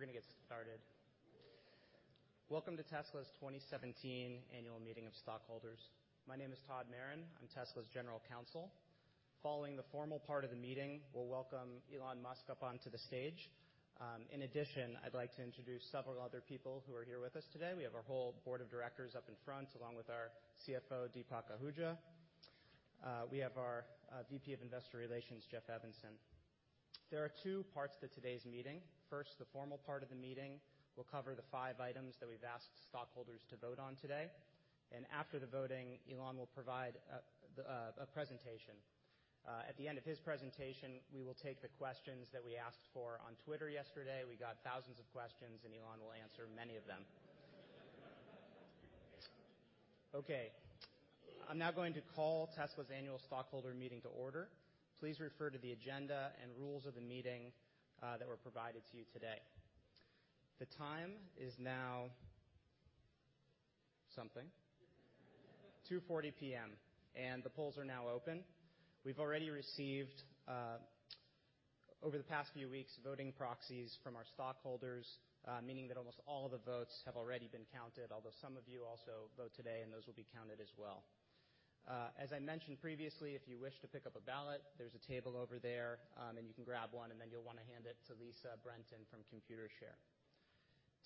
Everyone. We're going to get started. Welcome to Tesla's 2017 Annual Meeting of Stockholders. My name is Todd Maron. I'm Tesla's General Counsel. Following the formal part of the meeting, we'll welcome Elon Musk up onto the stage. In addition, I'd like to introduce several other people who are here with us today. We have our whole board of directors up in front, along with our CFO, Deepak Ahuja. We have our VP of Investor Relations, Jeff Evanson. There are two parts to today's meeting. First, the formal part of the meeting will cover the five items that we've asked stockholders to vote on today. After the voting, Elon will provide a presentation. At the end of his presentation, we will take the questions that we asked for on Twitter yesterday. We got thousands of questions, Elon will answer many of them. Okay. I'm now going to call Tesla's Annual Stockholder Meeting to order. Please refer to the agenda and rules of the meeting that were provided to you today. The time is now something. 2:40 P.M., the polls are now open. We've already received, over the past few weeks, voting proxies from our stockholders, meaning that almost all the votes have already been counted, although some of you also vote today, those will be counted as well. As I mentioned previously, if you wish to pick up a ballot, there's a table over there, you can grab one, then you'll want to hand it to Lisa Brenton from Computershare.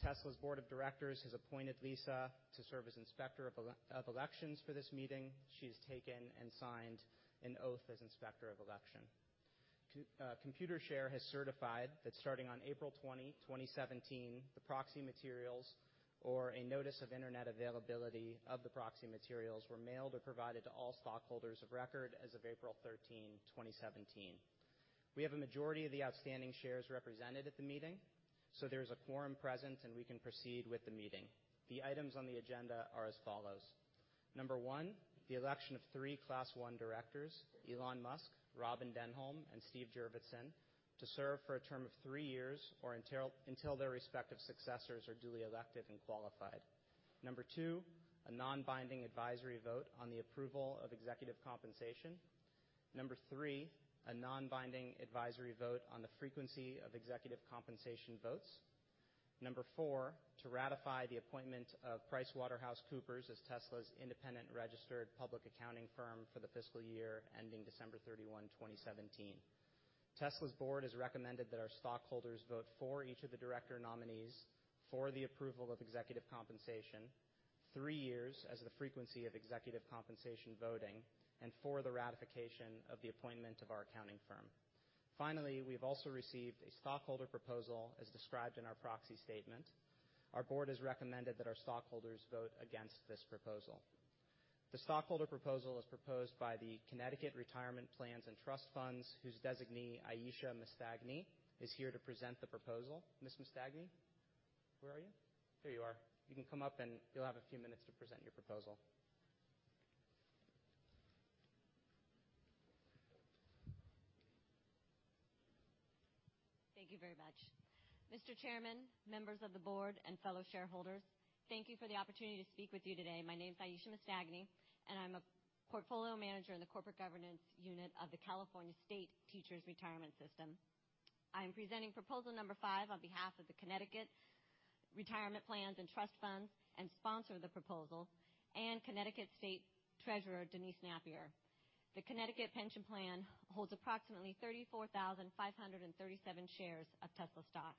Tesla's board of directors has appointed Lisa to serve as Inspector of Elections for this meeting. She's taken and signed an oath as Inspector of Election. Computershare has certified that starting on April 20, 2017, the proxy materials or a notice of internet availability of the proxy materials were mailed or provided to all stockholders of record as of April 13, 2017. We have a majority of the outstanding shares represented at the meeting, there's a quorum present, we can proceed with the meeting. The items on the agenda are as follows. Number 1, the election of three Class I directors, Elon Musk, Robyn Denholm, Steve Jurvetson, to serve for a term of three years or until their respective successors are duly elected and qualified. Number 2, a non-binding advisory vote on the approval of executive compensation. Number 3, a non-binding advisory vote on the frequency of executive compensation votes. Number 4, to ratify the appointment of PricewaterhouseCoopers as Tesla's independent registered public accounting firm for the fiscal year ending December 31, 2017. Tesla's board has recommended that our stockholders vote for each of the director nominees for the approval of executive compensation, three years as the frequency of executive compensation voting, for the ratification of the appointment of our accounting firm. Finally, we've also received a stockholder proposal as described in our proxy statement. Our board has recommended that our stockholders vote against this proposal. The stockholder proposal is proposed by the Connecticut Retirement Plans and Trust Funds, whose designee, Aeisha Mastagni, is here to present the proposal. Ms. Mastagni, where are you? Here you are. You can come up, you'll have a few minutes to present your proposal. Thank you very much. Mr. Chairman, members of the board, and fellow shareholders, thank you for the opportunity to speak with you today. My name is Aeisha Mastagni, and I'm a portfolio manager in the corporate governance unit of the California State Teachers' Retirement System. I am presenting proposal number five on behalf of the Connecticut Retirement Plans and Trust Funds and sponsor of the proposal and Connecticut State Treasurer Denise Nappier. The Connecticut pension plan holds approximately 34,537 shares of Tesla stock.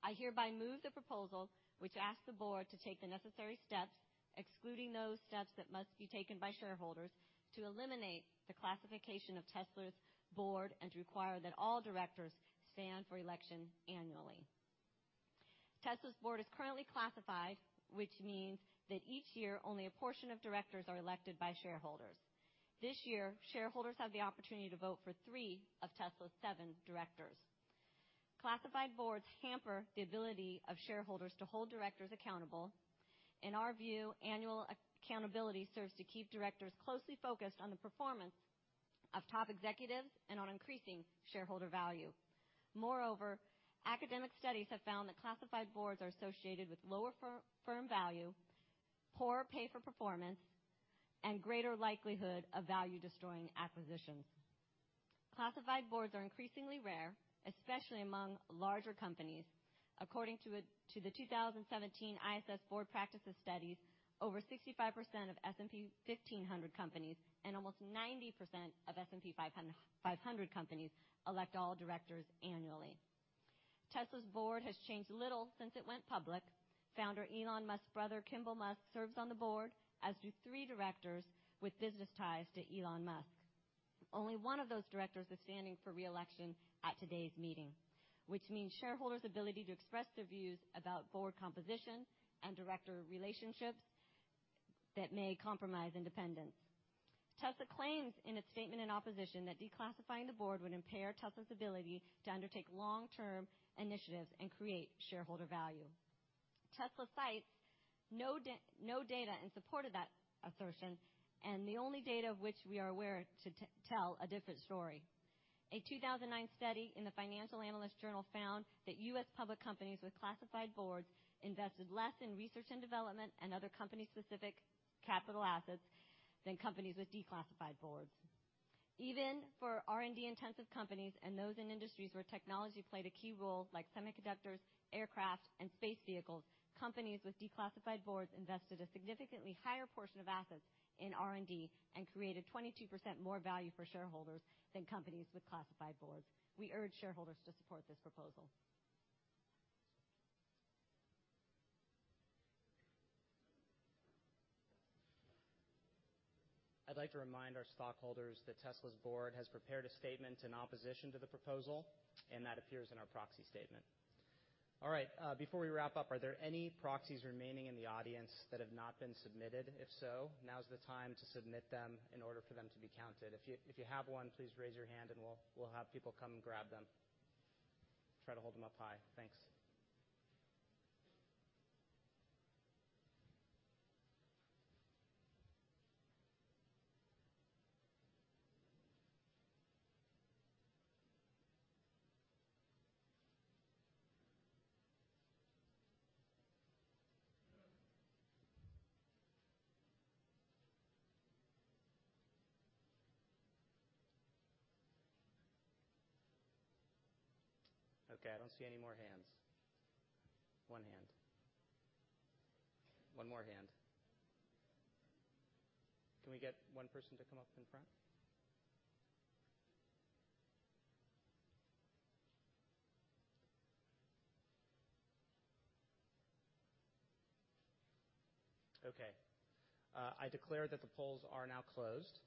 I hereby move the proposal, which asks the board to take the necessary steps, excluding those steps that must be taken by shareholders, to eliminate the classification of Tesla's board and to require that all directors stand for election annually. Tesla's board is currently classified, which means that each year, only a portion of directors are elected by shareholders. This year, shareholders have the opportunity to vote for three of Tesla's seven directors. Classified boards hamper the ability of shareholders to hold directors accountable. In our view, annual accountability serves to keep directors closely focused on the performance of top executives and on increasing shareholder value. Moreover, academic studies have found that classified boards are associated with lower firm value, poor pay for performance, and greater likelihood of value-destroying acquisitions. Classified boards are increasingly rare, especially among larger companies. According to the 2017 ISS U.S. Board Practices Study, over 65% of S&P 1,500 companies and almost 90% of S&P 500 companies elect all directors annually. Tesla's board has changed little since it went public. Founder Elon Musk's brother, Kimbal Musk, serves on the board, as do three directors with business ties to Elon Musk. Only one of those directors is standing for re-election at today's meeting, which means shareholders' ability to express their views about board composition and director relationships that may compromise independence. Tesla claims in its statement and opposition that declassifying the board would impair Tesla's ability to undertake long-term initiatives and create shareholder value. Tesla cites no data in support of that assertion, and the only data of which we are aware to tell a different story. A 2009 study in the Financial Analysts Journal found that U.S. public companies with classified boards invested less in research and development and other company-specific capital assets than companies with declassified boards. Even for R&D-intensive companies and those in industries where technology played a key role, like semiconductors, aircraft, and space vehicles, companies with declassified boards invested a significantly higher portion of assets in R&D and created 22% more value for shareholders than companies with classified boards. We urge shareholders to support this proposal. I'd like to remind our stockholders that Tesla's board has prepared a statement in opposition to the proposal. That appears in our proxy statement. All right, before we wrap up, are there any proxies remaining in the audience that have not been submitted? If so, now's the time to submit them in order for them to be counted. If you have one, please raise your hand and we'll have people come grab them. Try to hold them up high. Thanks. Okay, I don't see any more hands. One hand. One more hand. Can we get one person to come up in front? Okay. I declare that the polls are now closed.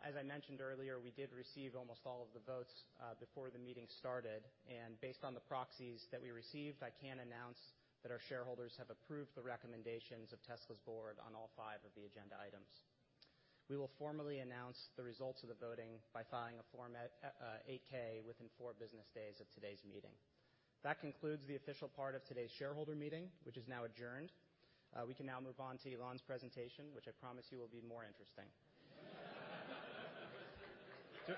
As I mentioned earlier, we did receive almost all of the votes before the meeting started. Based on the proxies that we received, I can announce that our shareholders have approved the recommendations of Tesla's board on all five of the agenda items. We will formally announce the results of the voting by filing a Form 8-K within four business days of today's meeting. That concludes the official part of today's shareholder meeting, which is now adjourned. We can now move on to Elon's presentation, which I promise you will be more interesting. Well,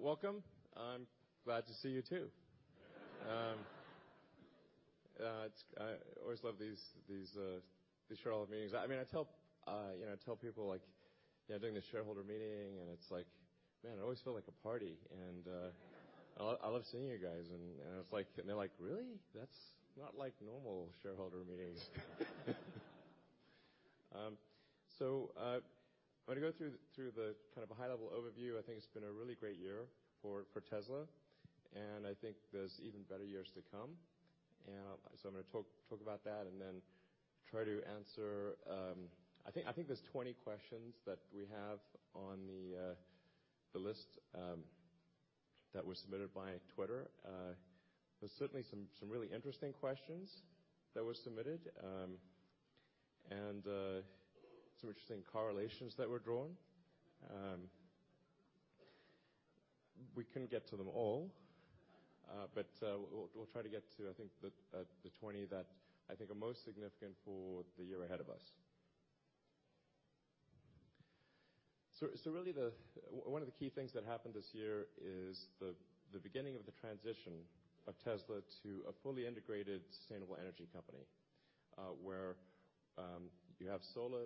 welcome. I'm glad to see you too. I always love these shareholder meetings. I tell people, "Yeah, I'm doing this shareholder meeting," and it's like, man, it always felt like a party. I love seeing you guys, and they're like, "Really? That's not like normal shareholder meetings." I'm going to go through the high-level overview. I think it's been a really great year for Tesla, and I think there's even better years to come. I'm going to talk about that and then try to answer, I think there's 20 questions that we have on the list that were submitted via Twitter. There's certainly some really interesting questions that were submitted, and some interesting correlations that were drawn. We couldn't get to them all, but we'll try to get to, I think the 20 that I think are most significant for the year ahead of us. Really, one of the key things that happened this year is the beginning of the transition of Tesla to a fully integrated sustainable energy company, where you have solar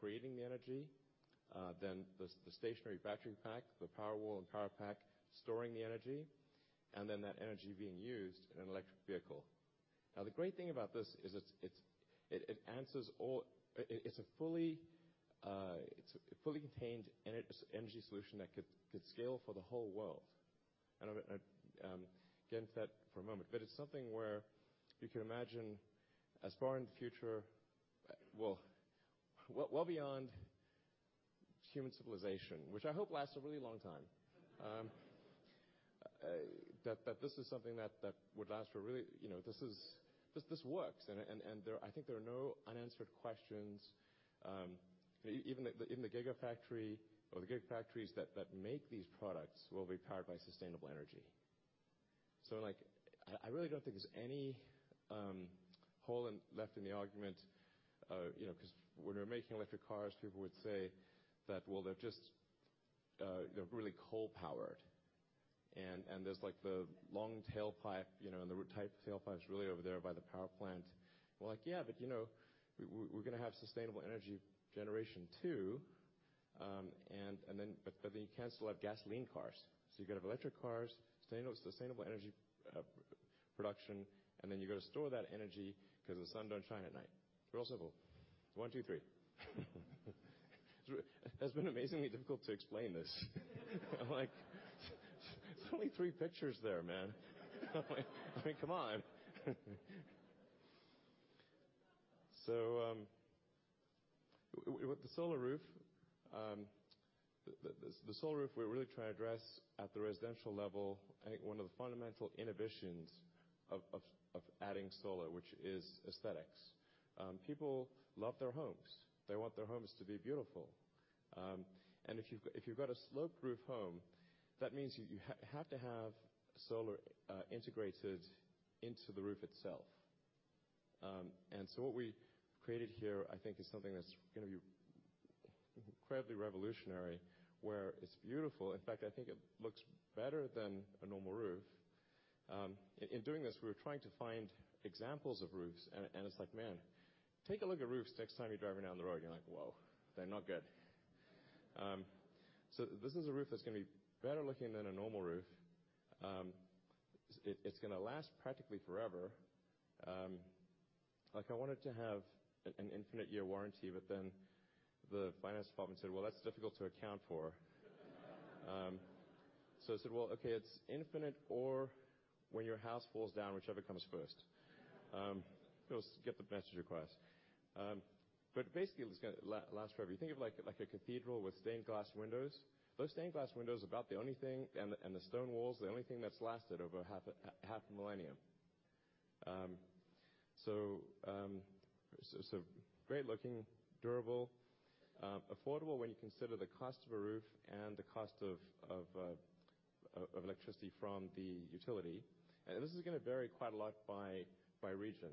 creating the energy, then the stationary battery pack, the Powerwall and Powerpack storing the energy, and then that energy being used in an electric vehicle. The great thing about this is it's a fully contained energy solution that could scale for the whole world, and I'll get into that for a moment. It's something where you can imagine as far in the future, well beyond human civilization, which I hope lasts a really long time. This works, and I think there are no unanswered questions. Even the Gigafactory or the Gigafactories that make these products will be powered by sustainable energy. I really don't think there's any hole left in the argument, because when we were making electric cars, people would say that, "Well, they're really coal powered, and there's the long tailpipe, and the root type tailpipe's really over there by the power plant." We're like, "Yeah, but we're going to have sustainable energy generation, too." You can't still have gasoline cars. You could have electric cars, sustainable energy production, and then you've got to store that energy because the sun don't shine at night. Real simple. One, two, three. It has been amazingly difficult to explain this. I'm like, there's only three pictures there, man. I mean, come on. With the Solar Roof, we're really trying to address at the residential level, I think one of the fundamental inhibitions of adding solar, which is aesthetics. People love their homes. They want their homes to be beautiful. If you've got a sloped roof home, that means you have to have solar integrated into the roof itself. What we created here, I think is something that's going to be incredibly revolutionary, where it's beautiful. In fact, I think it looks better than a normal roof. In doing this, we were trying to find examples of roofs, and it's like, man, take a look at roofs next time you're driving down the road. You're like, "Whoa, they're not good." This is a roof that's going to be better looking than a normal roof. It's going to last practically forever. I wanted to have an infinite year warranty, the finance department said, "Well, that's difficult to account for." I said, "Well, okay, it's infinite or when your house falls down, whichever comes first." You all get the message, of course. Basically, it's going to last forever. You think of it like a cathedral with stained glass windows. Those stained glass windows are about the only thing, and the stone walls, the only thing that's lasted over half a millennium. Great looking, durable, affordable when you consider the cost of a roof and the cost of electricity from the utility. This is going to vary quite a lot by region.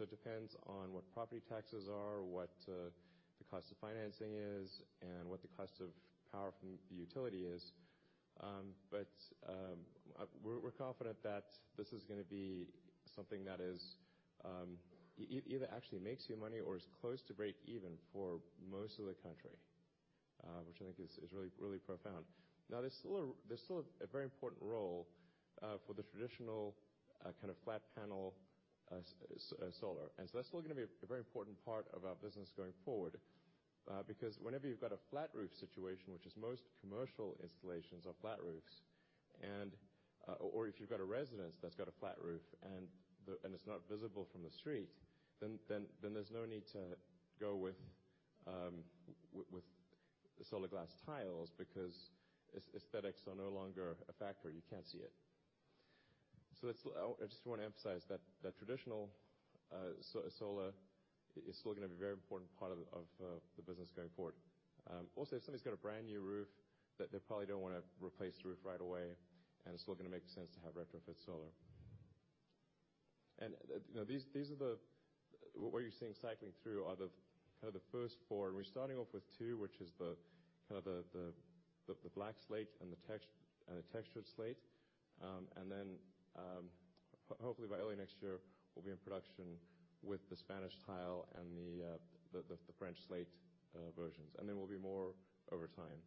It depends on what property taxes are, what the cost of financing is, and what the cost of power from the utility is. We're confident that this is going to be something that either actually makes you money or is close to breakeven for most of the country, which I think is really profound. Now, there's still a very important role for the traditional kind of flat panel solar. That's still going to be a very important part of our business going forward. Whenever you've got a flat roof situation, which is most commercial installations are flat roofs, or if you've got a residence that's got a flat roof and it's not visible from the street, then there's no need to go with Solar Glass Tiles because aesthetics are no longer a factor. You can't see it. I just want to emphasize that traditional solar is still going to be a very important part of the business going forward. If somebody's got a brand-new roof that they probably don't want to replace the roof right away, it's still going to make sense to have retrofit solar. What you're seeing cycling through are the kind of the first four. We're starting off with two, which is the black slate and the textured slate. Then, hopefully by early next year, we'll be in production with the Spanish tile and the French slate versions, there will be more over time.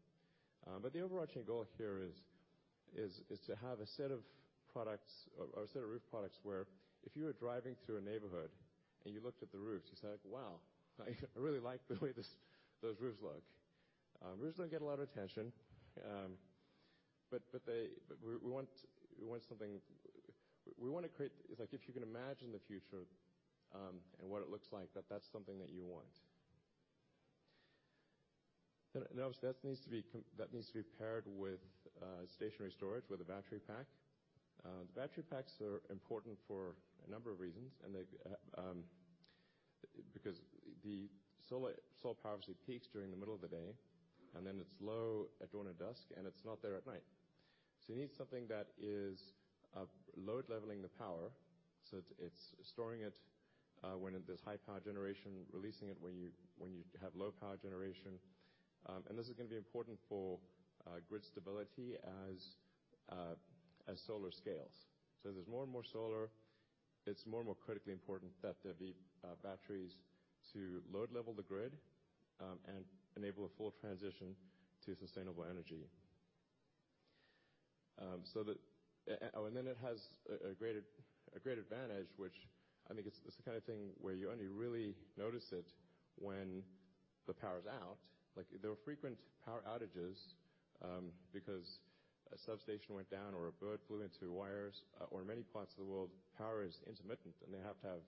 The overarching goal here is to have a set of products or a set of roof products where if you were driving through a neighborhood and you looked at the roofs, you say, like, "Wow, I really like the way those roofs look." Roofs don't get a lot of attention, but we want to create. It's like if you can imagine the future, and what it looks like, that that's something that you want. That needs to be paired with stationary storage with a battery pack. The battery packs are important for a number of reasons, because the solar power obviously peaks during the middle of the day, then it's low at dawn or dusk, it's not there at night. You need something that is load-leveling the power. It's storing it when there's high power generation, releasing it when you have low power generation. This is going to be important for grid stability as solar scales. As there's more and more solar, it's more and more critically important that there be batteries to load-level the grid, and enable a full transition to sustainable energy. Then it has a great advantage, which I think it's the kind of thing where you only really notice it when the power's out. There are frequent power outages because a substation went down or a bird flew into wires, or in many parts of the world, power is intermittent, and they have to have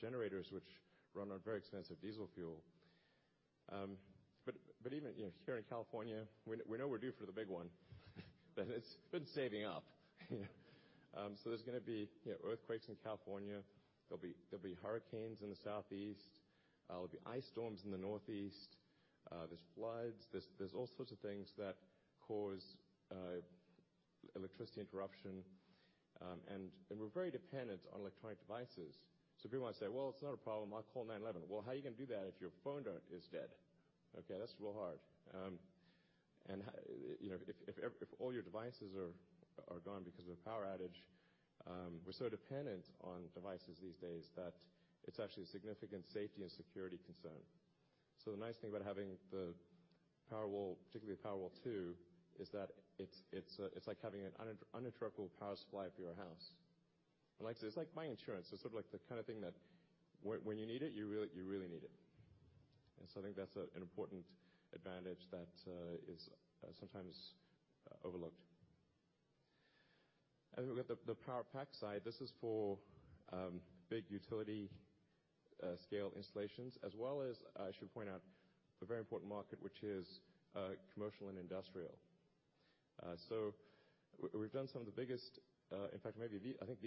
generators which run on very expensive diesel fuel. Even here in California, we know we're due for the big one, but it's been saving up. There's going to be earthquakes in California. There'll be hurricanes in the southeast. There'll be ice storms in the northeast. There's floods. There's all sorts of things that cause electricity interruption, and we're very dependent on electronic devices. People might say, "Well, it's not a problem. I'll call 911." Well, how are you going to do that if your phone is dead? Okay, that's real hard. If all your devices are gone because of a power outage, we're so dependent on devices these days that it's actually a significant safety and security concern. The nice thing about having the Powerwall, particularly the Powerwall 2, is that it's like having an uninterruptible power supply for your house. Like I said, it's like buying insurance. It's sort of like the kind of thing that when you need it, you really need it. I think that's an important advantage that is sometimes overlooked. We've got the Powerpack side. This is for big utility scale installations, as well as, I should point out, a very important market, which is commercial and industrial. We've done some of the biggest, in fact, maybe I think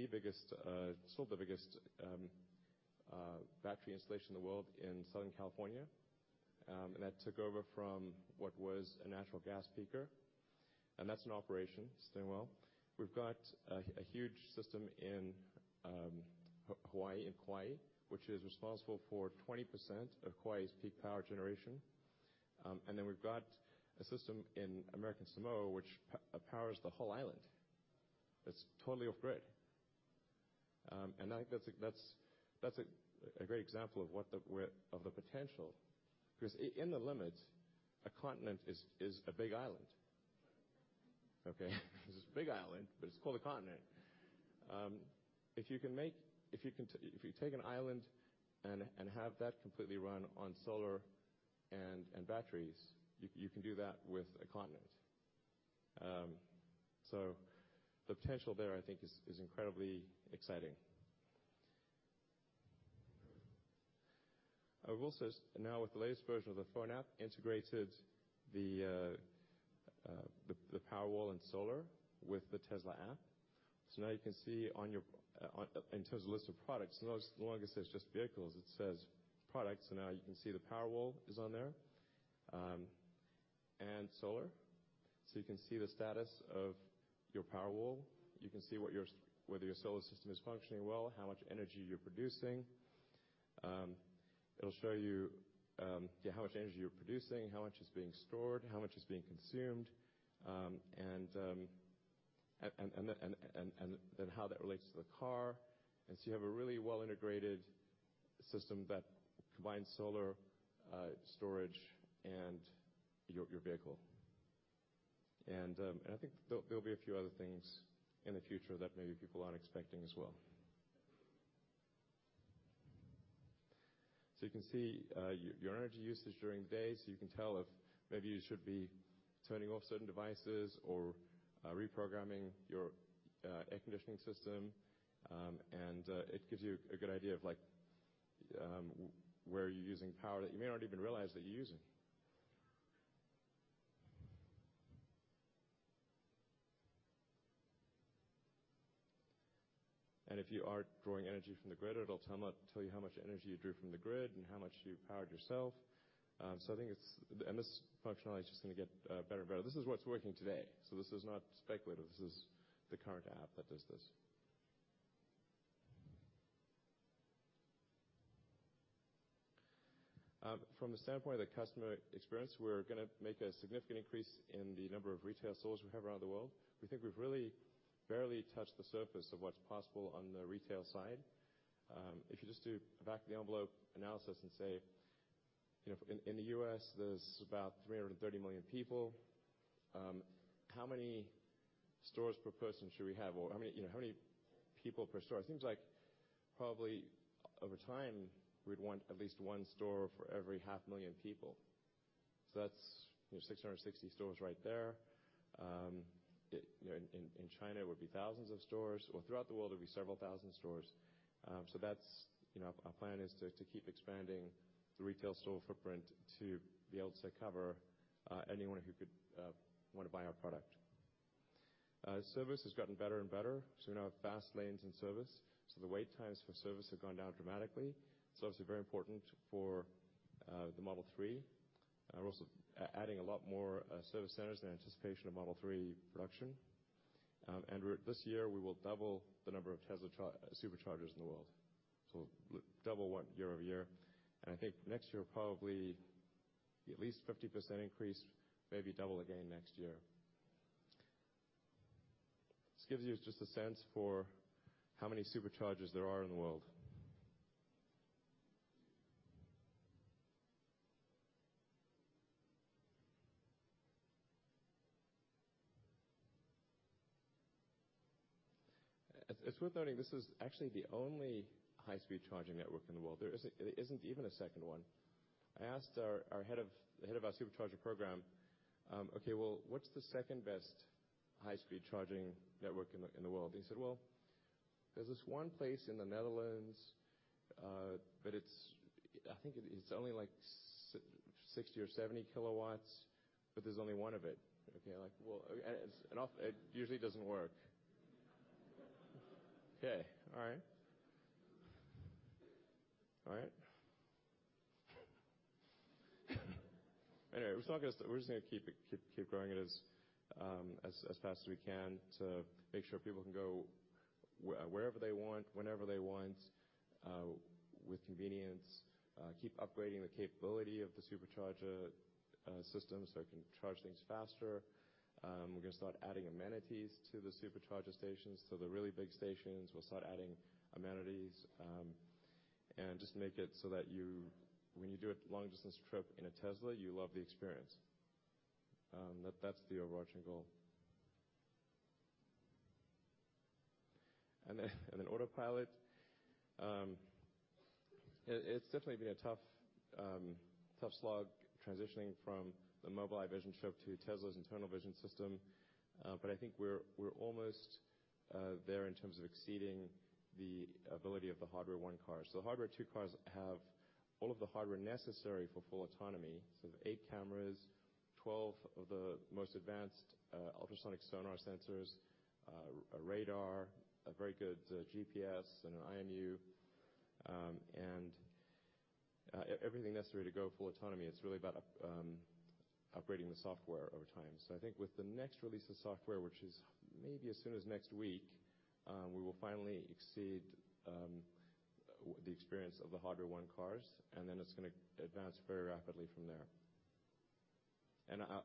still the biggest, battery installation in the world in Southern California. That took over from what was a natural gas peaker, and that's in operation, it's doing well. Then we've got a huge system in Hawaii, in Kauai, which is responsible for 20% of Kauai's peak power generation. We've got a system in American Samoa, which powers the whole island. It's totally off-grid. I think that's a great example of the potential because in the limit a continent is a big island. Okay? It's a big island, but it's called a continent. If you take an island and have that completely run on solar and batteries, you can do that with a continent. The potential there, I think, is incredibly exciting. We've also now, with the latest version of the phone app, integrated the Powerwall and solar with the Tesla app. Now you can see in Tesla's list of products, no longer says just vehicles, it says products, now you can see the Powerwall is on there, and solar. You can see the status of your Powerwall. You can see whether your solar system is functioning well, how much energy you're producing. It'll show you how much energy you're producing, how much is being stored, how much is being consumed, and then how that relates to the car. You have a really well-integrated system that combines solar storage and your vehicle. I think there'll be a few other things in the future that maybe people aren't expecting as well. You can see your energy usage during the day, so you can tell if maybe you should be turning off certain devices or reprogramming your air conditioning system. It gives you a good idea of where you're using power that you may not even realize that you're using. If you are drawing energy from the grid, it'll tell you how much energy you drew from the grid and how much you powered yourself. This functionality is just going to get better and better. This is what's working today. This is not speculative. This is the current app that does this. From the standpoint of the customer experience, we're going to make a significant increase in the number of retail stores we have around the world. We think we've really barely touched the surface of what's possible on the retail side. If you just do a back-of-the-envelope analysis and say, in the U.S., there's about 330 million people how many stores per person should we have? Or how many people per store? It seems like probably over time, we'd want at least one store for every half million people. That's 660 stores right there. In China, it would be thousands of stores or throughout the world it'll be several thousand stores. Our plan is to keep expanding the retail store footprint to be able to cover anyone who could want to buy our product. Service has gotten better and better. We now have fast lanes in service. The wait times for service have gone down dramatically. Service is very important for the Model 3. We're also adding a lot more service centers in anticipation of Model 3 production. This year we will double the number of Tesla Superchargers in the world. Double what year-over-year. I think next year, probably at least 50% increase, maybe double again next year. This gives you just a sense for how many Superchargers there are in the world. It's worth noting, this is actually the only high-speed charging network in the world. There isn't even a second one. I asked the head of our Supercharger program, "Okay, well, what's the second-best high-speed charging network in the world?" He said, "Well, there's this one place in the Netherlands, but I think it's only like 60 or 70 kilowatts, but there's only one of it. It usually doesn't work." Okay. All right. All right. Anyway, we're just going to keep growing it as fast as we can to make sure people can go wherever they want, whenever they want, with convenience, keep upgrading the capability of the Supercharger system so it can charge things faster. We're going to start adding amenities to the Supercharger stations. To the really big stations, we'll start adding amenities, and just make it so that when you do a long-distance trip in a Tesla, you love the experience. That's the overarching goal. Autopilot. It's definitely been a tough slog transitioning from the Mobileye vision chip to Tesla's internal vision system. I think we're almost there in terms of exceeding the ability of the Hardware 1 cars. The Hardware 2 cars have all of the hardware necessary for full autonomy. Eight cameras, 12 of the most advanced ultrasonic sonar sensors, a radar, a very good GPS, an IMU, and everything necessary to go full autonomy. It's really about upgrading the software over time. I think with the next release of software, which is maybe as soon as next week, we will finally exceed the experience of the Hardware 1 cars. It's going to advance very rapidly from there.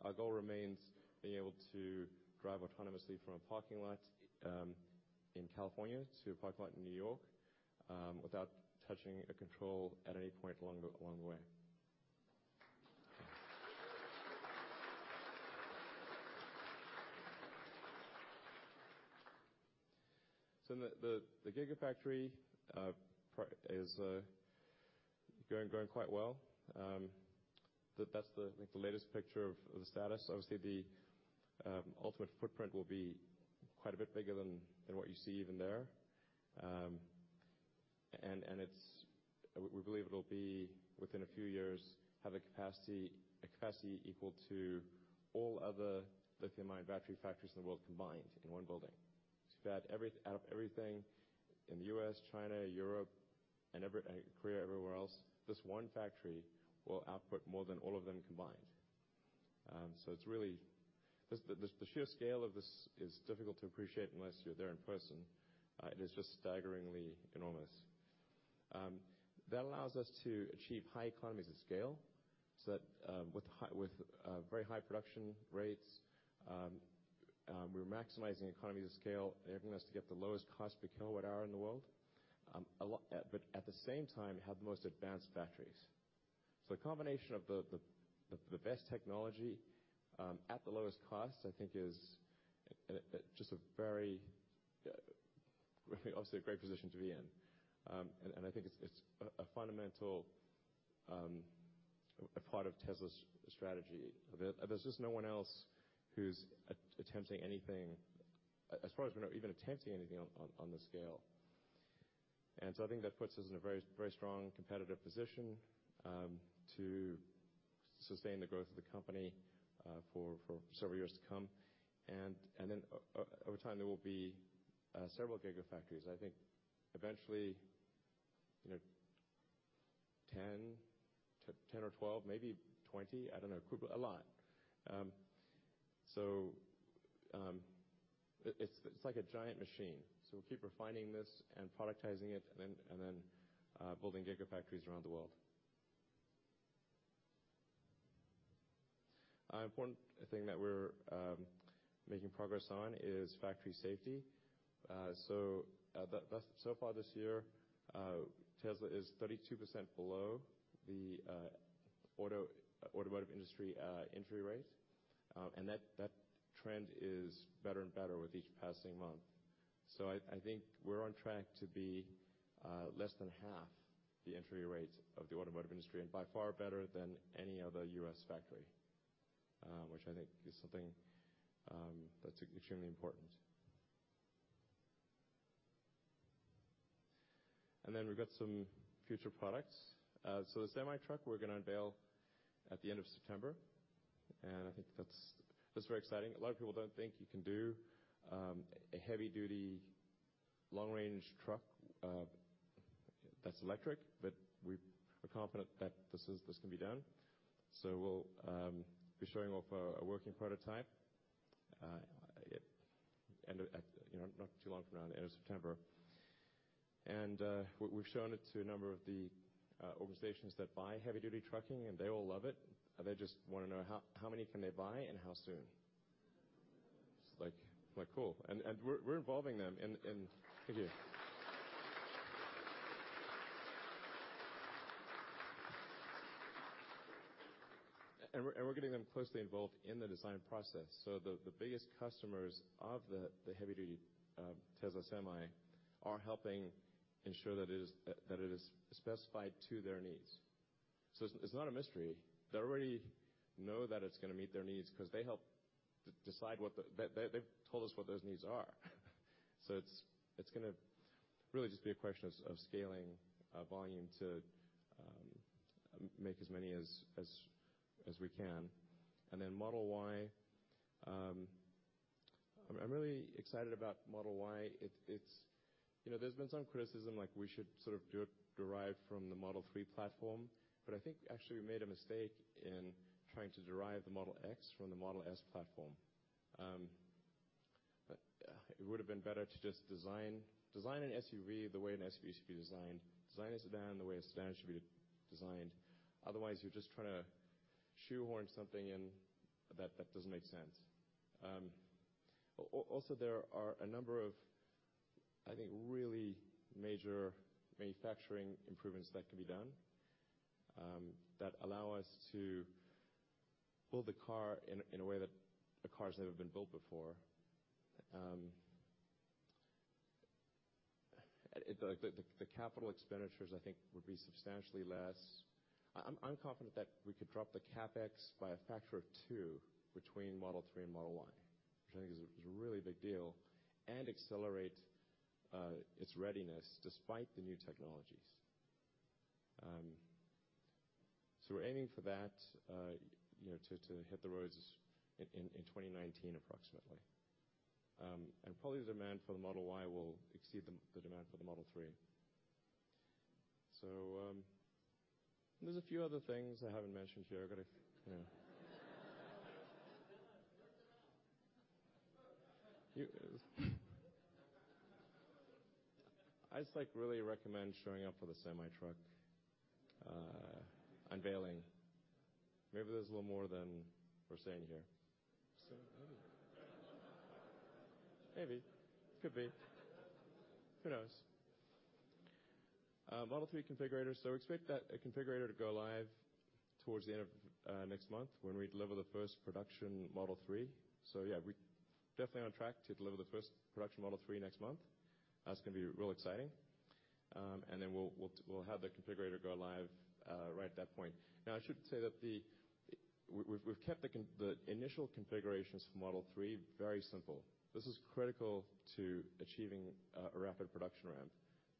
Our goal remains being able to drive autonomously from a parking lot in California to a parking lot in New York without touching a control at any point along the way. The Gigafactory is going quite well. That's the latest picture of the status. Obviously, the ultimate footprint will be quite a bit bigger than what you see even there. We believe it'll be within a few years, have a capacity equal to all other lithium-ion battery factories in the world combined in one building. If you add up everything in the U.S., China, Europe, and Korea, everywhere else, this one factory will output more than all of them combined. The sheer scale of this is difficult to appreciate unless you're there in person. It is just staggeringly enormous. That allows us to achieve high economies of scale, so that with very high production rates, we're maximizing economies of scale, enabling us to get the lowest cost per kilowatt hour in the world, but at the same time, have the most advanced batteries. The combination of the best technology at the lowest cost, I think, is obviously a great position to be in. I think it's a fundamental part of Tesla's strategy. There's just no one else who's attempting anything, as far as we know, even attempting anything on this scale. I think that puts us in a very strong competitive position to sustain the growth of the company for several years to come. Over time, there will be several Gigafactories. I think eventually, 10 or 12, maybe 20, I don't know, a lot. It's like a giant machine. We'll keep refining this and productizing it, and then building Gigafactories around the world. An important thing that we're making progress on is factory safety. So far this year, Tesla is 32% below the automotive industry injury rate, and that trend is better and better with each passing month. I think we're on track to be less than half the injury rate of the automotive industry, and by far better than any other U.S. factory, which I think is something that's extremely important. We've got some future products. The Semi truck, we're going to unveil at the end of September, and I think that's very exciting. A lot of people don't think you can do a heavy-duty, long-range truck that's electric, but we're confident that this can be done. We'll be showing off a working prototype not too long from now, end of September. We've shown it to a number of the organizations that buy heavy-duty trucking, and they all love it. They just want to know how many can they buy and how soon. It's like cool. We're involving them in. Thank you. We're getting them closely involved in the design process. The biggest customers of the heavy-duty Tesla Semi are helping ensure that it is specified to their needs. It's not a mystery. They already know that it's going to meet their needs because they helped decide what. They've told us what those needs are. It's going to really just be a question of scaling volume to make as many as we can. Model Y, I'm really excited about Model Y. There's been some criticism, like we should sort of derive from the Model 3 platform. I think actually we made a mistake in trying to derive the Model X from the Model S platform. It would've been better to just design an SUV the way an SUV should be designed, design a sedan the way a sedan should be designed. Otherwise, you're just trying to shoehorn something in that doesn't make sense. Also, there are a number of, I think, really major manufacturing improvements that can be done that allow us to build a car in a way that cars never been built before. The capital expenditures, I think, would be substantially less. I'm confident that we could drop the CapEx by a factor of two between Model 3 and Model Y, which I think is a really big deal, and accelerate its readiness despite the new technologies. We're aiming for that to hit the roads in 2019 approximately. Probably the demand for the Model Y will exceed the demand for the Model 3. There's a few other things I haven't mentioned here. I've got to. I just really recommend showing up for the Semi truck unveiling. Maybe there's a little more than we're saying here. Maybe. Maybe. Could be. Who knows? Model 3 configurator. Expect that configurator to go live towards the end of next month when we deliver the first production Model 3. Yeah, we're definitely on track to deliver the first production Model 3 next month. That's going to be real exciting. Then we'll have the configurator go live right at that point. I should say that we've kept the initial configurations for Model 3 very simple. This is critical to achieving a rapid production ramp.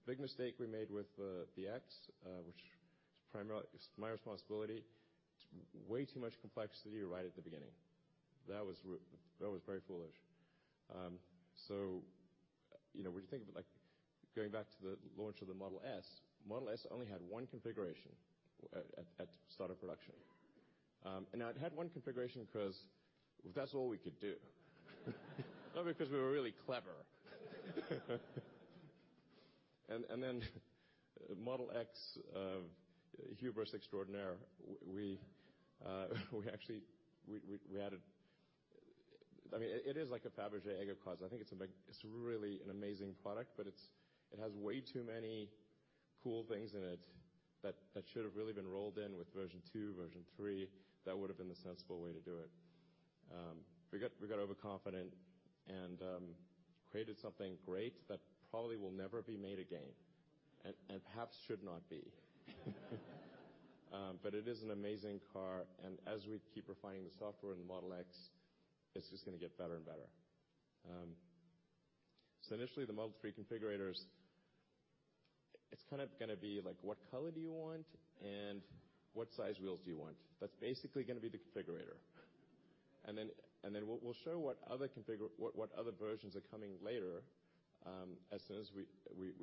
Big mistake we made with the Model X, which was primarily my responsibility, way too much complexity right at the beginning. That was very foolish. When you think of it, going back to the launch of the Model S, Model S only had one configuration at start of production. It had one configuration because that's all we could do. Not because we were really clever. Then Model X, hubris extraordinaire. We added. It is like a Fabergé egg of cars. I think it's really an amazing product, but it has way too many cool things in it that should have really been rolled in with version 2, version 3. That would have been the sensible way to do it. We got overconfident and created something great that probably will never be made again and perhaps should not be. It is an amazing car, and as we keep refining the software in the Model X, it's just going to get better and better. Initially, the Model 3 configurators, it's kind of going to be like, what color do you want, and what size wheels do you want? That's basically going to be the configurator. Then we'll show what other versions are coming later, as soon as we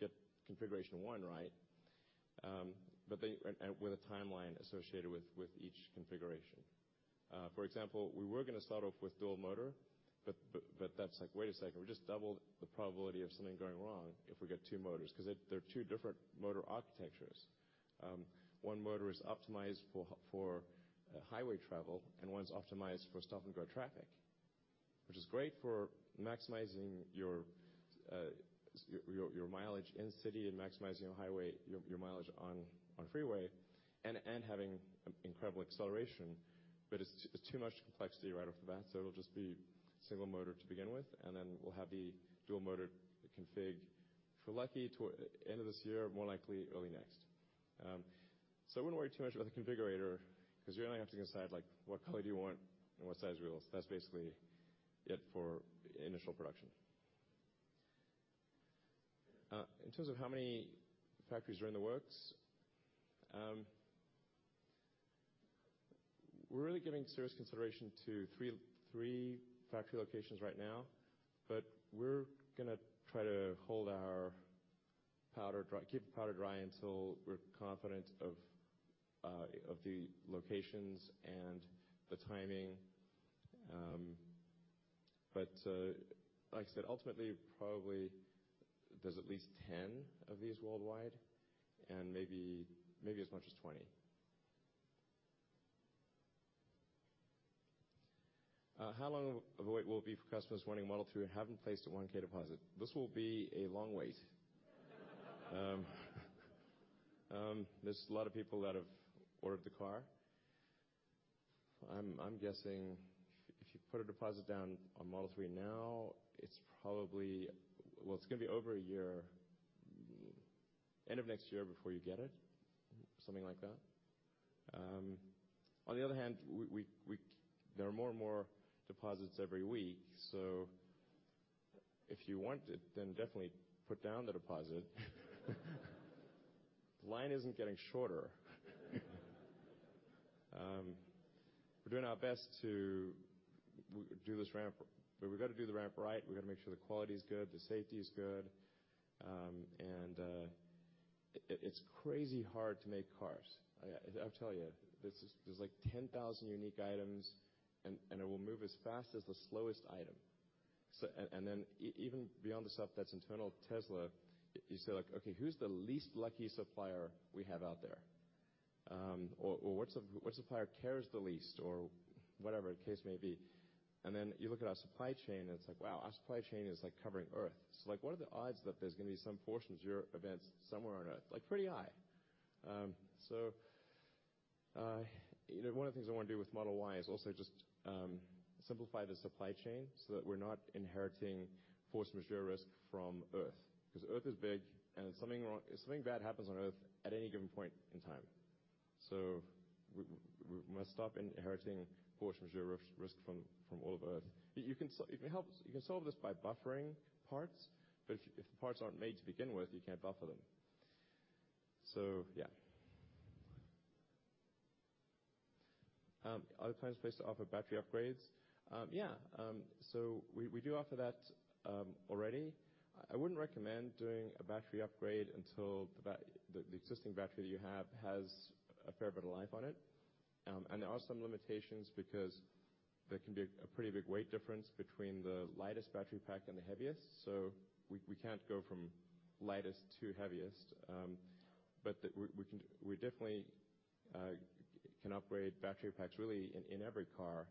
get configuration 1 right, with a timeline associated with each configuration. For example, we were going to start off with dual motor, that's like, wait a second, we just doubled the probability of something going wrong if we get two motors, because they're two different motor architectures. One motor is optimized for highway travel, and one is optimized for stop-and-go traffic, which is great for maximizing your mileage in city and maximizing your mileage on freeway and having incredible acceleration. It's too much complexity right off the bat, so it'll just be single motor to begin with, then we'll have the dual motor config, if we're lucky, toward end of this year, more likely early next. I wouldn't worry too much about the configurator, because you're only have to decide what color do you want and what size wheels. That's basically it for initial production. In terms of how many factories are in the works, we're really giving serious consideration to three factory locations right now, we're going to try to keep the powder dry until we're confident of the locations and the timing. Like I said, ultimately, probably there's at least 10 of these worldwide, and maybe as much as 20. How long of a wait will it be for customers wanting Model 3 who haven't placed a $1K deposit? This will be a long wait. There's a lot of people that have ordered the car. I'm guessing if you put a deposit down on Model 3 now, it's going to be over a year, end of next year, before you get it. Something like that. On the other hand, there are more and more deposits every week. If you want it, definitely put down the deposit. The line isn't getting shorter. We're doing our best to do this ramp, we've got to do the ramp right. We've got to make sure the quality is good, the safety is good. It's crazy hard to make cars. I tell you, there's like 10,000 unique items, and it will move as fast as the slowest item. Even beyond the stuff that's internal to Tesla, you say, okay, who's the least lucky supplier we have out there? What supplier cares the least? Whatever the case may be. You look at our supply chain and it's like, wow, our supply chain is covering Earth. What are the odds that there's going to be some force majeure events somewhere on Earth? Pretty high. One of the things I want to do with Model Y is also just simplify the supply chain so that we're not inheriting force majeure risk from Earth, because Earth is big and something bad happens on Earth at any given point in time. We must stop inheriting force majeure risk from all over Earth. You can solve this by buffering parts, if the parts aren't made to begin with, you can't buffer them. Yeah. Are there plans in place to offer battery upgrades? Yeah. We do offer that already. I wouldn't recommend doing a battery upgrade until the existing battery that you have has a fair bit of life on it. There are some limitations because there can be a pretty big weight difference between the lightest battery pack and the heaviest. We can't go from lightest to heaviest. We definitely can upgrade battery packs really in every car.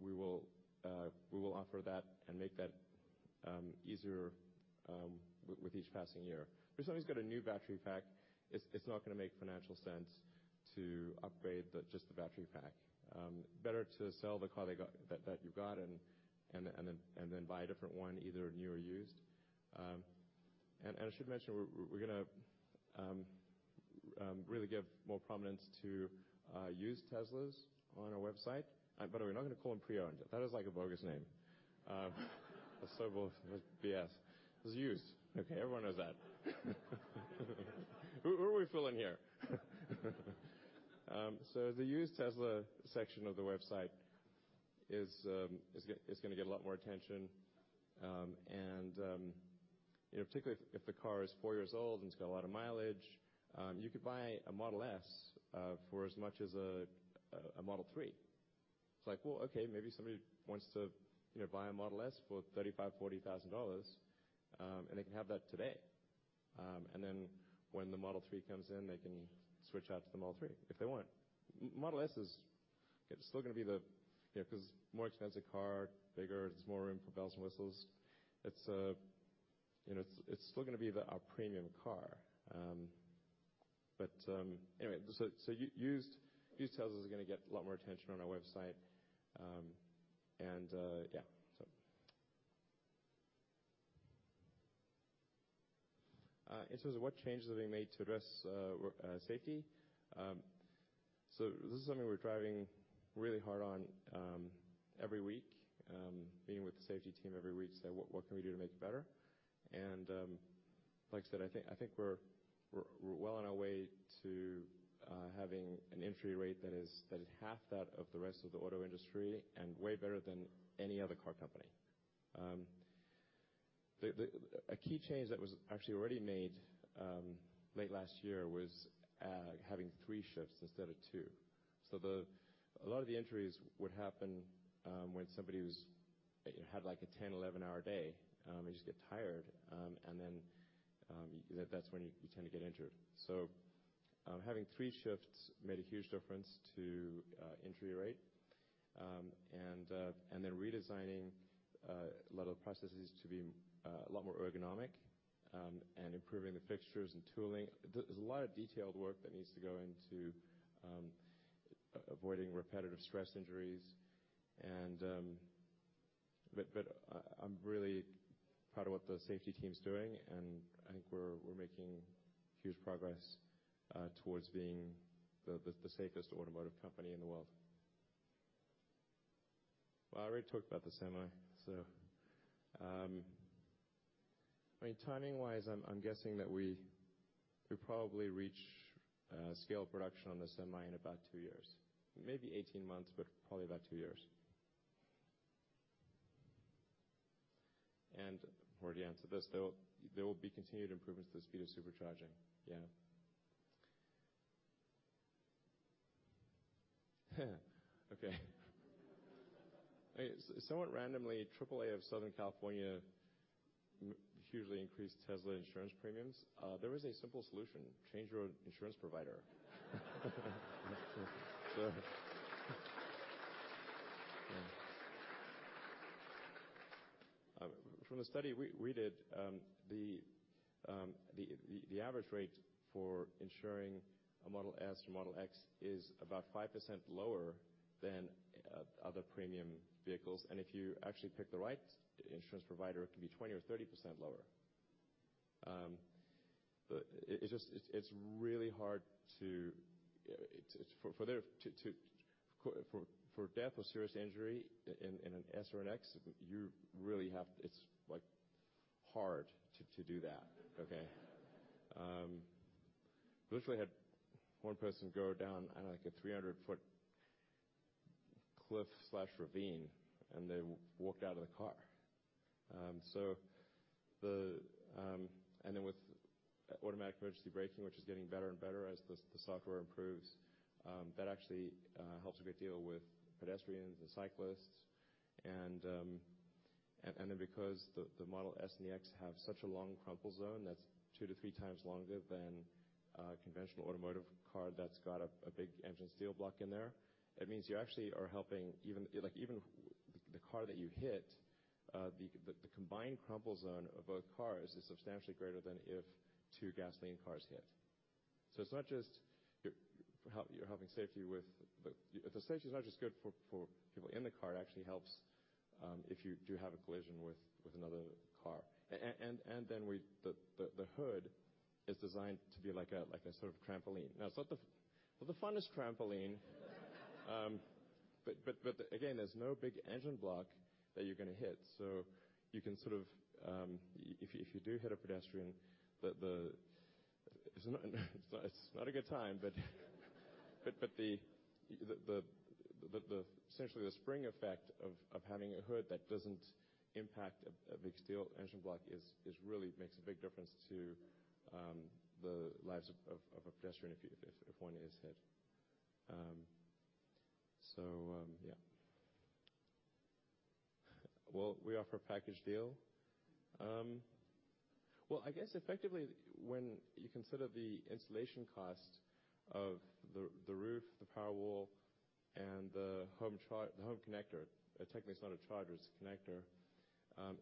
We will offer that and make that easier with each passing year. If somebody's got a new battery pack, it's not going to make financial sense to upgrade just the battery pack. Better to sell the car that you've got and buy a different one, either new or used. I should mention, we're going to really give more prominence to used Teslas on our website. We're not going to call them pre-owned. That is a bogus name. That's so both BS. It was used. Okay, everyone knows that. Who are we fooling here? The used Tesla section of the website is going to get a lot more attention. Particularly if the car is four years old and it's got a lot of mileage, you could buy a Model S for as much as a Model 3. It's like, well, okay, maybe somebody wants to buy a Model S for $35,000, $40,000, they can have that today. When the Model 3 comes in, they can switch out to the Model 3 if they want. Model S is still going to be the because it's a more expensive car, bigger, there's more room for bells and whistles. It's still going to be our premium car. Anyway, used Teslas are going to get a lot more attention on our website. In terms of what changes are being made to address safety, this is something we're driving really hard on every week, meeting with the safety team every week to say, what can we do to make it better? Like I said, I think we're well on our way to having an injury rate that is half that of the rest of the auto industry and way better than any other car company. A key change that was actually already made late last year was having three shifts instead of two. A lot of the injuries would happen when somebody had a 10, 11-hour day and just get tired, then that's when you tend to get injured. Having three shifts made a huge difference to injury rate, and then redesigning a lot of processes to be a lot more ergonomic, and improving the fixtures and tooling. There's a lot of detailed work that needs to go into avoiding repetitive stress injuries. I'm really proud of what the safety team's doing, and I think we're making huge progress towards being the safest automotive company in the world. I already talked about the Semi, so. I mean, timing-wise, I'm guessing that we probably reach scale production on the Semi in about two years. Maybe 18 months, but probably about two years. I've already answered this, though. There will be continued improvements to the speed of Supercharging, yeah. Okay. Somewhat randomly, AAA of Southern California hugely increased Tesla insurance premiums. There is a simple solution. Change your insurance provider. From the study we did, the average rate for insuring a Model S or Model X is about 5% lower than other premium vehicles. If you actually pick the right insurance provider, it can be 20% or 30% lower. It's really hard. For death or serious injury in an S or an X, you really. It's hard to do that, okay? We literally had one person go down a 300-foot cliff/ravine, and they walked out of the car. With automatic emergency braking, which is getting better and better as the software improves, that actually helps a great deal with pedestrians and cyclists. Because the Model S and the X have such a long crumple zone that's two to three times longer than a conventional automotive car that's got a big engine steel block in there, it means you actually are helping even the car that you hit, the combined crumple zone of both cars is substantially greater than if two gasoline cars hit. The safety is not just good for people in the car, it actually helps if you do have a collision with another car. The hood is designed to be like a sort of trampoline. It's not the funnest trampoline but again, there's no big engine block that you're going to hit. If you do hit a pedestrian, it's not a good time, but essentially the spring effect of having a hood that doesn't impact a big steel engine block really makes a big difference to the lives of a pedestrian if one is hit. Yeah. Will we offer a package deal? I guess effectively, when you consider the installation cost of the roof, the Powerwall, and the home connector, technically it's not a charger, it's a connector.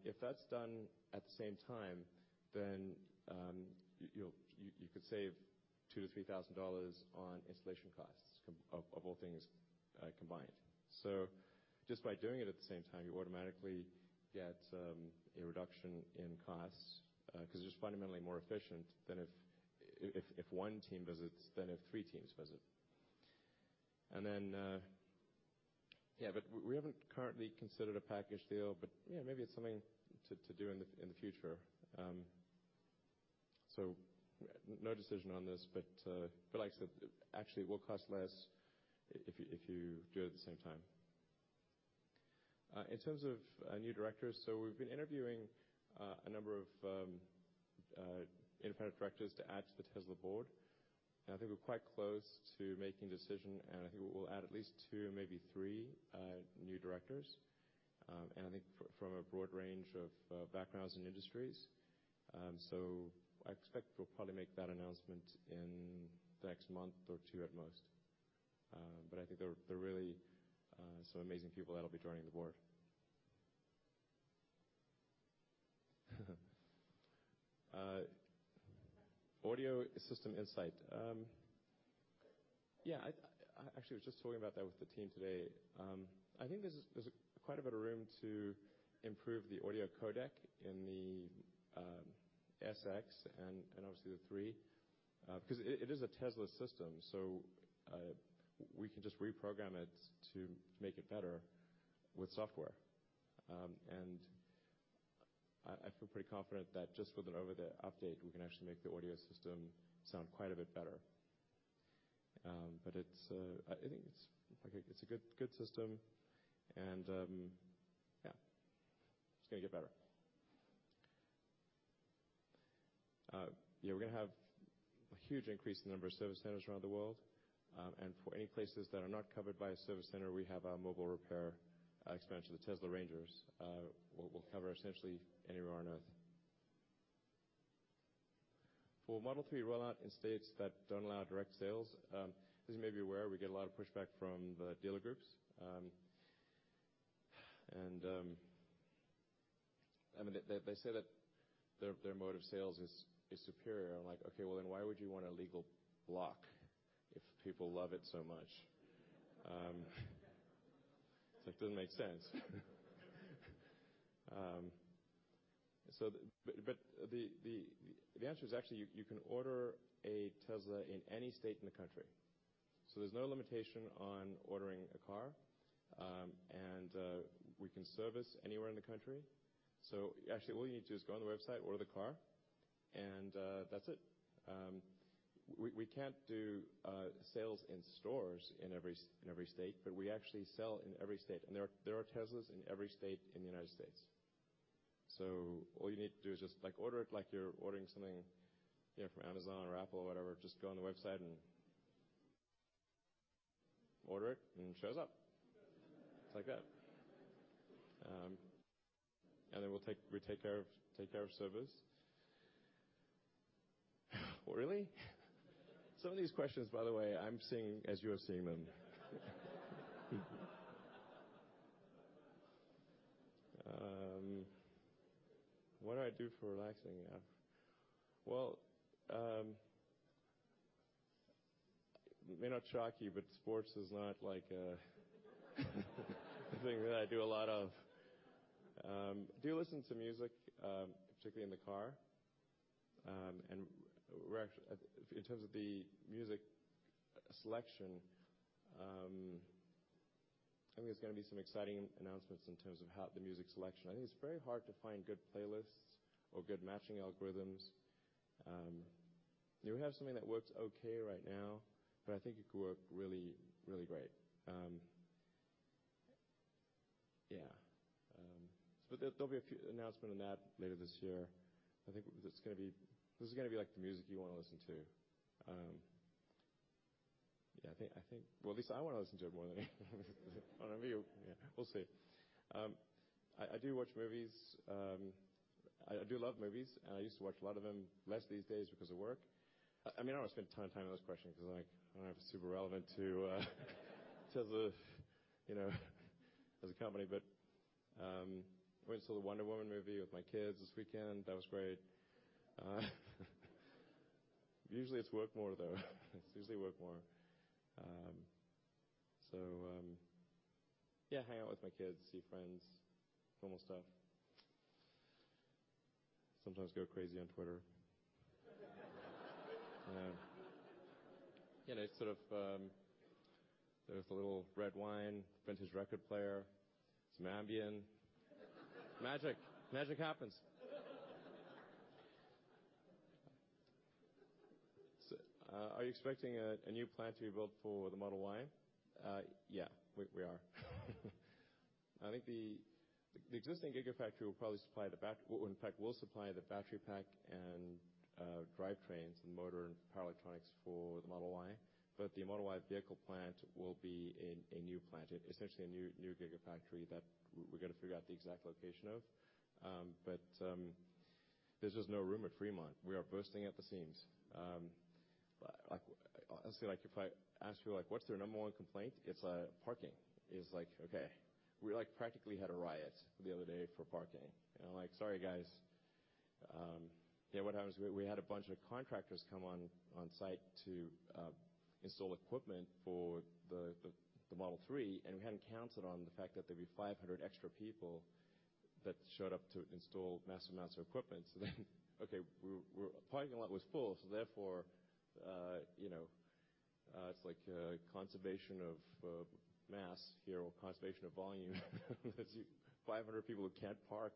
If that's done at the same time, you could save $2,000-$3,000 on installation costs of all things combined. Just by doing it at the same time, you automatically get a reduction in costs because it's just fundamentally more efficient than if one team visits than if three teams visit. We haven't currently considered a package deal, but maybe it's something to do in the future. No decision on this, but like I said, actually, it will cost less if you do it at the same time. In terms of new directors, we've been interviewing a number of independent directors to add to the Tesla board, I think we're quite close to making a decision, I think we will add at least two, maybe three new directors. I think from a broad range of backgrounds and industries. I expect we'll probably make that announcement in the next month or two at most. I think they're really some amazing people that'll be joining the board. Audio system insight. I actually was just talking about that with the team today. I think there's quite a bit of room to improve the audio codec in the SX and obviously the 3, because it is a Tesla system, we can just reprogram it to make it better with software. I feel pretty confident that just with an over-the-air update, we can actually make the audio system sound quite a bit better. I think it's a good system, it's going to get better. We're going to have a huge increase in the number of service centers around the world. For any places that are not covered by a service center, we have our mobile repair expansion, the Tesla Rangers, will cover essentially anywhere on Earth. For Model 3 rollout in states that don't allow direct sales, as you may be aware, we get a lot of pushback from the dealer groups. They say that their mode of sales is superior. I'm like, okay, why would you want a legal block if people love it so much? It doesn't make sense. The answer is actually, you can order a Tesla in any state in the country. There's no limitation on ordering a car, we can service anywhere in the country. Actually, all you need to do is go on the website, order the car, that's it. We can't do sales in stores in every state, we actually sell in every state, there are Teslas in every state in the U.S. All you need to do is just order it like you're ordering something from Amazon or Apple or whatever. Just go on the website, order it shows up. It's like that. We take care of service. Really? Some of these questions, by the way, I'm seeing as you are seeing them. What do I do for relaxing? It may not shock you, sports is not like a thing that I do a lot of. I do listen to music, particularly in the car. In terms of the music selection, I think there's going to be some exciting announcements in terms of the music selection. I think it's very hard to find good playlists or good matching algorithms. We have something that works okay right now, but I think it could work really great. Yeah. There'll be an announcement on that later this year. I think this is going to be the music you want to listen to. I think, well, at least I want to listen to it more than any of you. Yeah, we'll see. I do watch movies. I do love movies, and I used to watch a lot of them. Less these days because of work. I don't want to spend a ton of time on this question because I don't have a super relevant to Tesla as a company, but I went and saw the Wonder Woman movie with my kids this weekend. That was great. Usually, it's work more, though. It's usually work more. Yeah, hang out with my kids, see friends, normal stuff. Sometimes go crazy on Twitter. You know, there's a little red wine, vintage record player, some Ambien. Magic. Magic happens. "Are you expecting a new plant to be built for the Model Y?" Yeah, we are. I think the existing Gigafactory will probably supply the-- In fact, will supply the battery pack and drivetrains, the motor, and power electronics for the Model Y, but the Model Y vehicle plant will be a new plant. Essentially, a new Gigafactory that we're going to figure out the exact location of. There's just no room at Fremont. We are bursting at the seams. Honestly, if I ask people what's their number one complaint, it's parking. It's like, okay. We practically had a riot the other day for parking, and I'm like, "Sorry, guys." Yeah, what happens is we had a bunch of contractors come on-site to install equipment for the Model 3, and we hadn't counted on the fact that there'd be 500 extra people that showed up to install mass amounts of equipment. Okay, parking lot was full, so therefore, it's like conservation of mass here or conservation of volume because you have 500 people who can't park.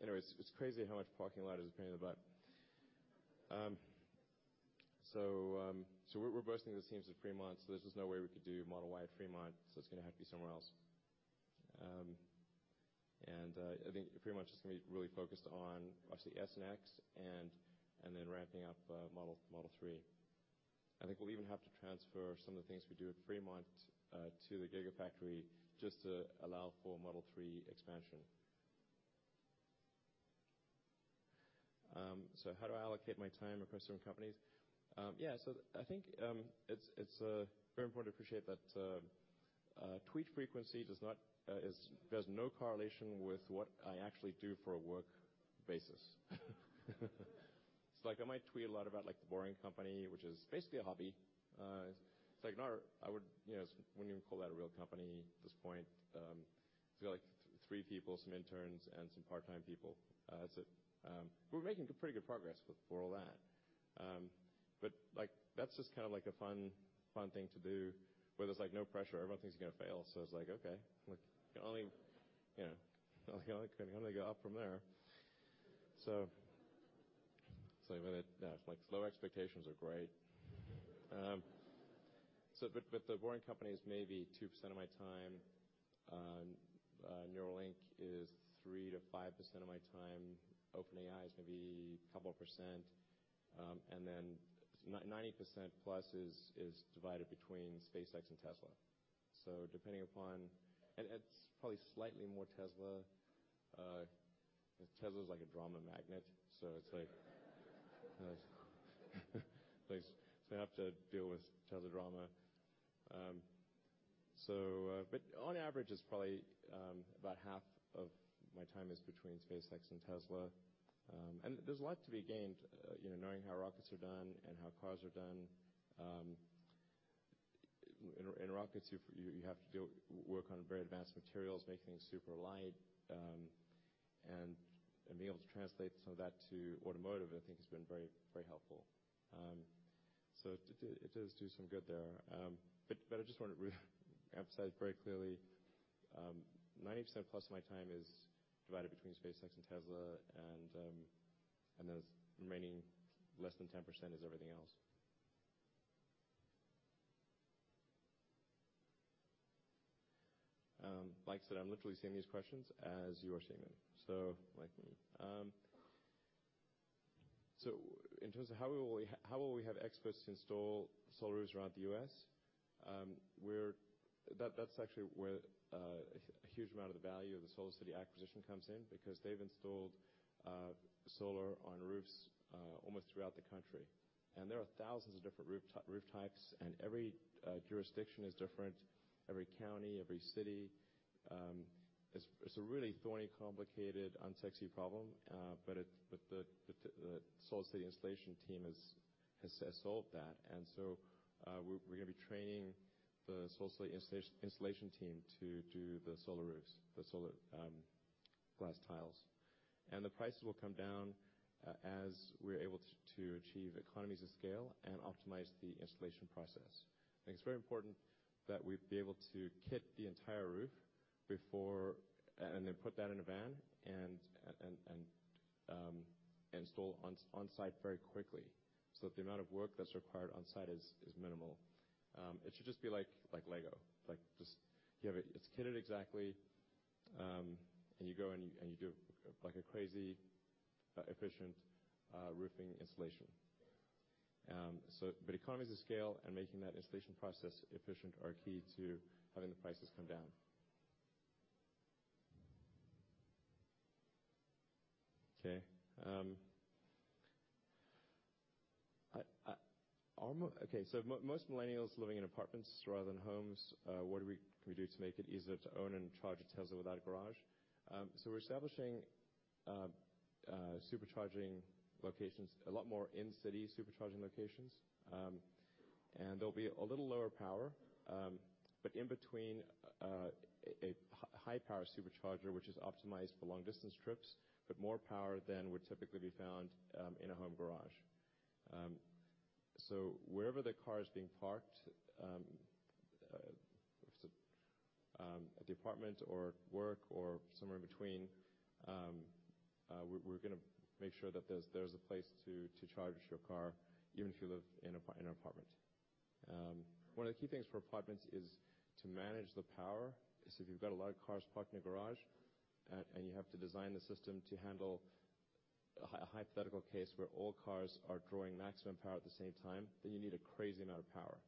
Anyways, it's crazy how much parking lot is a pain in the butt. We're bursting at the seams at Fremont, so there's just no way we could do Model Y at Fremont, so it's going to have to be somewhere else. I think Fremont is just going to be really focused on obviously S and X and then ramping up Model 3. I think we'll even have to transfer some of the things we do at Fremont to the Gigafactory just to allow for Model 3 expansion. "How do I allocate my time across certain companies?" Yeah, I think it's very important to appreciate that tweet frequency does not. There's no correlation with what I actually do for a work basis. I might tweet a lot about The Boring Company, which is basically a hobby. I wouldn't even call that a real company at this point. It's got three people, some interns, and some part-time people. We're making pretty good progress for all that. That's just a fun thing to do where there's no pressure. Everyone thinks it's going to fail, so it's like, okay, it can only go up from there. Low expectations are great. The Boring Company is maybe 2% of my time. Neuralink is 3%-5% of my time. OpenAI is maybe a couple of percent. 90% plus is divided between SpaceX and Tesla. Depending upon it's probably slightly more Tesla. Tesla's like a drama magnet. I have to deal with Tesla drama. On average, it's probably about half of my time is between SpaceX and Tesla. There's a lot to be gained knowing how rockets are done and how cars are done. In rockets, you have to work on very advanced materials, make things super light, and being able to translate some of that to automotive, I think, has been very helpful. It does do some good there. I just want to emphasize very clearly 90% plus of my time is divided between SpaceX and Tesla, and the remaining less than 10% is everything else. Like I said, I'm literally seeing these questions as you are seeing them. In terms of how will we have experts install Solar Roofs around the U.S., that's actually where a huge amount of the value of the SolarCity acquisition comes in because they've installed solar on roofs almost throughout the country, and there are thousands of different roof types, and every jurisdiction is different, every county, every city. It's a really thorny, complicated, unsexy problem. The SolarCity installation team has solved that, and we're going to be training the SolarCity installation team to do the Solar Roofs, the solar glass tiles. The prices will come down as we're able to achieve economies of scale and optimize the installation process. I think it's very important that we be able to kit the entire roof before and then put that in a van and install on-site very quickly so that the amount of work that's required on-site is it should just be like Lego. It's kitted exactly, and you go and you do a crazy efficient roofing installation. Economies of scale and making that installation process efficient are key to having the prices come down. Okay. Most millennials living in apartments rather than homes, what can we do to make it easier to own and charge a Tesla without a garage? We're establishing Supercharging locations, a lot more in-city Supercharging locations. They'll be a little lower power, but in between a high-power Supercharger, which is optimized for long-distance trips, but more power than would typically be found in a home garage. Wherever the car is being parked, at the apartment or at work or somewhere in between, we're going to make sure that there's a place to charge your car even if you live in an apartment. One of the key things for apartments is to manage the power, because if you've got a lot of cars parked in a garage and you have to design the system to handle a hypothetical case where all cars are drawing maximum power at the same time, then you need a crazy amount of power.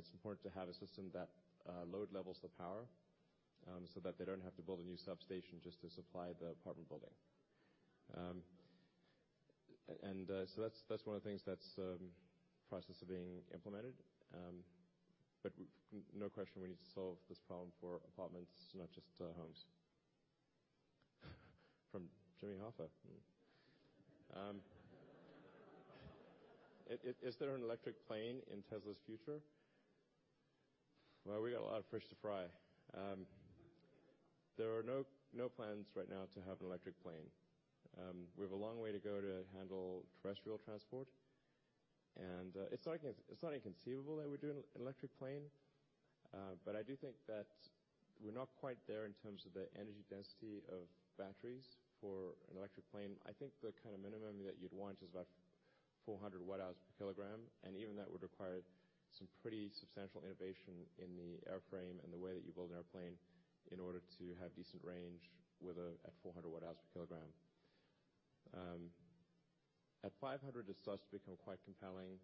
It's important to have a system that load levels the power, so that they don't have to build a new substation just to supply the apartment building. That's one of the things that's in process of being implemented. No question we need to solve this problem for apartments, not just homes. From Jimmy Hoffa. Is there an electric plane in Tesla's future? We got a lot of fish to fry. There are no plans right now to have an electric plane. We have a long way to go to handle terrestrial transport, and it's not inconceivable that we'd do an electric plane. I do think that we're not quite there in terms of the energy density of batteries for an electric plane. I think the kind of minimum that you'd want is about 400 watt-hours per kilogram, and even that would require some pretty substantial innovation in the airframe and the way that you build an airplane in order to have decent range at 400 watt-hours per kilogram. At 500, it starts to become quite compelling,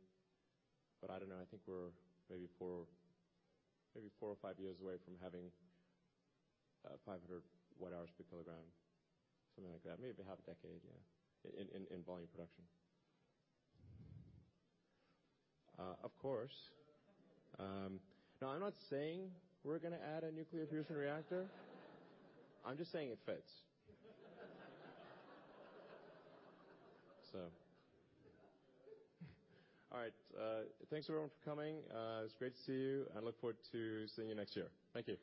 I don't know, I think we're maybe four or five years away from having 500 watt-hours per kilogram, something like that. Maybe half a decade, yeah, in volume production. Of course. I'm not saying we're going to add a nuclear fusion reactor. I'm just saying it fits. All right. Thanks everyone for coming. It was great to see you. I look forward to seeing you next year. Thank you.